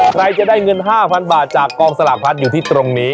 ใครจะได้เงิน๕๐๐๐บาทจากกองสลากพัดอยู่ที่ตรงนี้